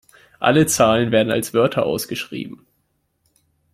Alle Zahlen werden als Wörter ausgeschrieben.